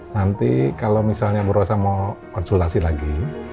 nanti kalau misalnya berasa mau konsulasi lagi